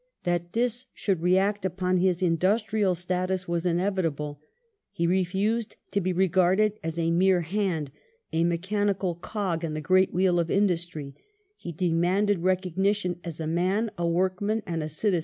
That this should react upon his industrial status was inevitable. He refused to be regarded as a mere "hand," a mechanical cog in the great wheel of industry ; he demanded recognition as a man, a workman, and a citizen.